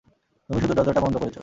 তুমি শুধু দরজাটা বন্ধ করেছ!